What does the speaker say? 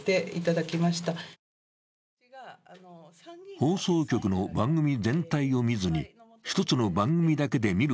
放送局の番組全体を見ずに、一つの番組だけで見る